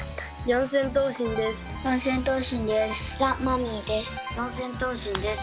四千頭身です。